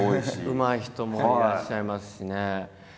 うまい人もいらっしゃいますしね。